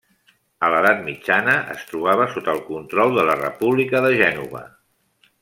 A l'Edat Mitjana, es trobava sota el control de la República de Gènova.